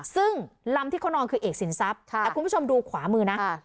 ซึ่งลำที่เขานอนคือเอกสินทรัพย์แต่คุณผู้ชมดูขวามือนะ